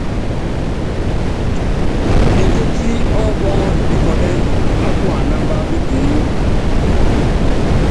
Etéti ɔ́pɔ́ŋɔn pikɔlɛ́n á kunamba mepuŋú.